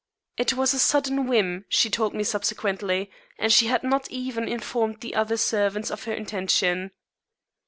It was a sudden whim, she told me subsequently, and she had not even informed the other servants of her intention.